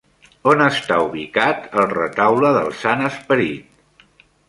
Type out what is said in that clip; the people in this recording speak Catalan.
On està ubicat el Retaule del Sant Esperit?